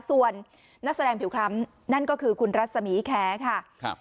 ส่วนนักแสดงผิวคล้ำนั่นก็คือคุณรัศมีแคร์ค่ะครับ